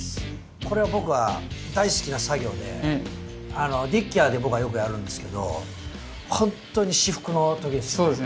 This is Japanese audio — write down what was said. これは僕は大好きな作業でディッキアで僕はよくやるんですけどほんとに至福の時ですよね。